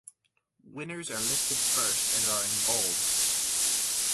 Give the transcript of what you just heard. Winners are listed first and are in bold.